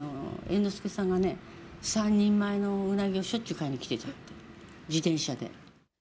うなぎ屋さん行ったらね、猿之助さんがね、３人前のうなぎをしょっちゅう買いに来てた、自転車で。